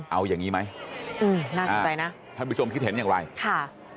เอาอย่างนี้ไหมอืมน่าสนใจนะท่านผู้ชมคิดเห็นอย่างไรค่ะ